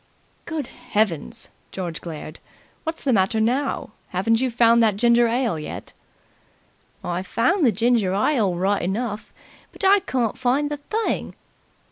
"Good Heavens!" George glared. "What's the matter now? Haven't you found that ginger ale yet?" "I've found the ginger ile right enough, but I can't find the thing."